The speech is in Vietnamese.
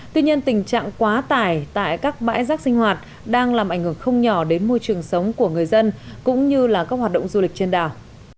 tuy nhiên tình trạng quá tải tại các bãi rác sinh hoạt đang làm ảnh hưởng không nhỏ đến môi trường sống của người dân cũng như là các hoạt động du lịch trên đảo